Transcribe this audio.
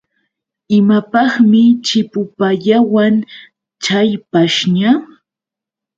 ¿Imapaqmi chipupayawan chay pashña.?